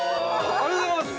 ありがとうございます！